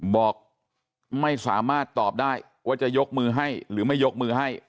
บอกไม่สามารถตอบได้ว่าจะยกมือให้หรือไม่ยกมือให้